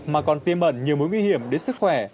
mà còn tiêm ẩn nhiều mối nguy hiểm đến sức khỏe